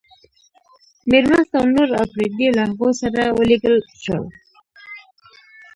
میرمست او نور اپرېدي له هغوی سره ولېږل شول.